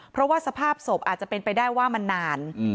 เพราะว่าสภาพศพอาจจะเป็นไปได้ว่ามันนาน